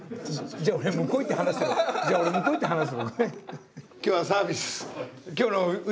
じゃあ俺向こう行って話す。